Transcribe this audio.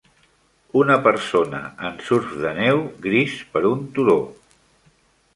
Una persona en surf de neu gris per un turó